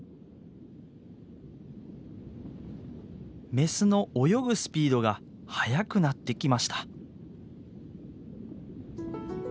メスの泳ぐスピードが速くなってきました。